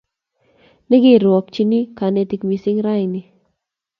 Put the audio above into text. Nerekyotin kanetik missing' rani